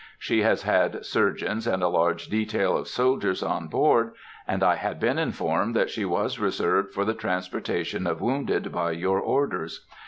She has had surgeons and a large detail of soldiers on board, and I had been informed that she was reserved for the transportation of wounded, by your orders.